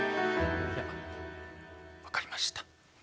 いや分かりました。